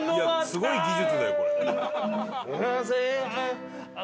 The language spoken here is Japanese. すごい技術だよこれ。